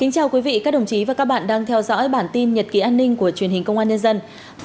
chào mừng quý vị đến với bản tin nhật ký an ninh của truyền hình công an nhân dân